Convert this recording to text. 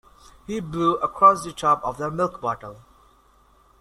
He blew across the top of the milk bottle